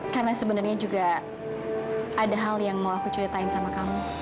karena sebenarnya juga ada hal yang mau aku ceritain sama kamu